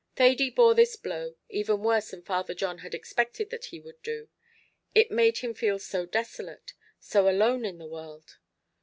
Thady bore this blow even worse than Father John had expected that he would do; it made him feel so desolate so alone in the world!